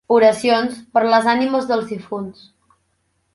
Oracions per les ànimes dels difunts.